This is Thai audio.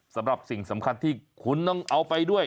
สำหรับสิ่งสำคัญที่คุณต้องเอาไปด้วย